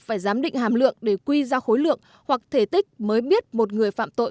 phải giám định hàm lượng để quy ra khối lượng hoặc thể tích mới biết một người phạm tội